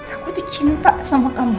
aku tuh cinta sama kamu